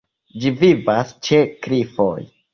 Ĝi vivas ĉe klifoj.